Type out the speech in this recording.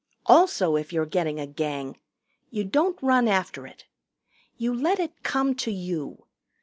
Also if you're getting a Gang, you don't run after it. You let it come to you.